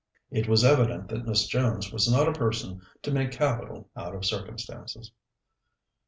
It was evident that Miss Jones was not a person to make capital out of circumstances.